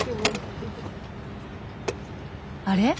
あれ？